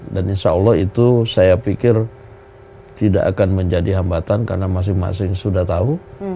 dan insya allah itu saya pikir tidak akan menjadi hambatan karena masing masing sudah tahu